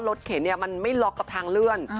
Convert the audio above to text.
เข็นมันไม่ล็อกกับทางเลื่อน